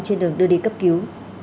trên đường đưa đi cấp cứu